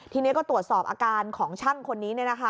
ทีนี้ก็ตรวจสอบอาการของช่างคนนี้